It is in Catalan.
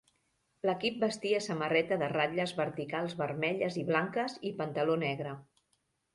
L'equip vestia samarreta de ratlles verticals vermelles i blanques i pantaló negre.